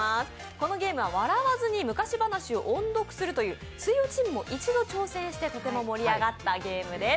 このゲームは笑わずに昔話を朗読するという水曜チームも一度挑戦して盛り上がったゲームです。